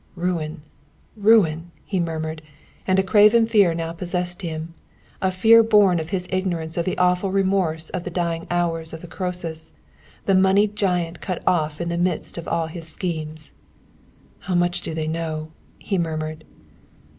"Ruin, ruin," he murmured, and a craven fear now possessed him a fear born of his ignorance of the awful remorse of the dying hours of the Croesus, the moneyed giant cut off in the midst of all his schemes! "How much do they know?" he murmured.